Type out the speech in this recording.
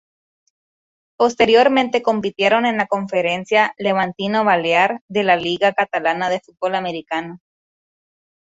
Posteriormente compitieron en la conferencia Levantino-Balear de la Liga Catalana de Fútbol Americano.